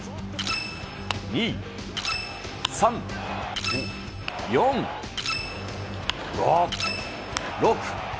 ２、３、４、５、６